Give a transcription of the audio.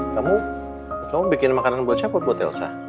kamu bikin makanan buat siapa buat elsa